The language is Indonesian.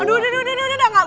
aduh udah udah udah